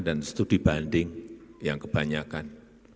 dan setudih banding yang kebanyakan